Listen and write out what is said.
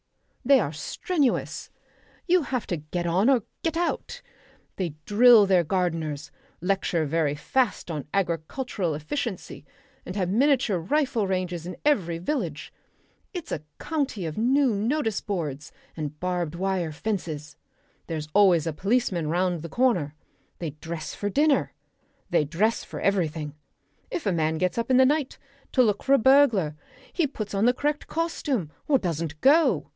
They are strenuous. You have to get on or get out. They drill their gardeners, lecture very fast on agricultural efficiency, and have miniature rifle ranges in every village. It's a county of new notice boards and barbed wire fences; there's always a policeman round the corner. They dress for dinner. They dress for everything. If a man gets up in the night to look for a burglar he puts on the correct costume or doesn't go.